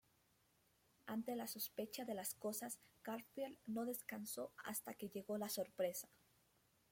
Ante la sospecha de las cosas, Garfield "no descanso hasta que llegó la sorpresa".